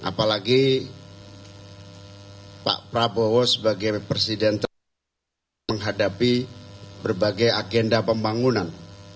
apalagi pak prabowo sebagai presiden menghadapi berbagai agenda pembangunan